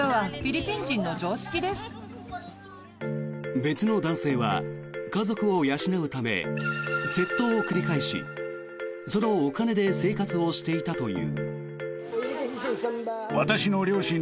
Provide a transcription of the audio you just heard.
別の男性は家族を養うため窃盗を繰り返しそのお金で生活をしていたという。